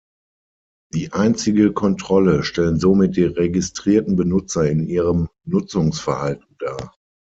Die einzige Kontrolle stellen somit die registrierten Benutzer in ihrem Nutzungsverhalten dar.